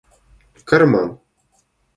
карман